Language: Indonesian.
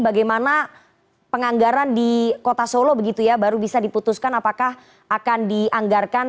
bagaimana penganggaran di kota solo begitu ya baru bisa diputuskan apakah akan dianggarkan